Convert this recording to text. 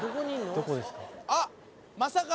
どこですか？